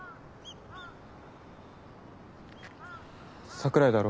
桜井だろ？